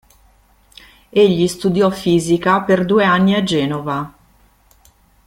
Egli studiò fisica per due anni a Genova.